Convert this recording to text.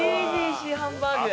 ＧＧＣハンバーグ！